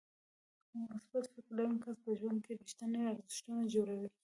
مثبت فکر لرونکی کس په ژوند کې رېښتيني ارزښتونه جوړوي.